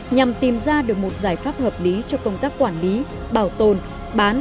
nhằm tìm ra được một giải pháp hợp lý cho công tác quản lý bảo tồn bán